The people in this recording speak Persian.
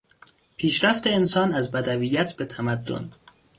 پیشرفت انسان از بدویت به تمدن